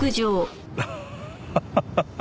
アハハハハハ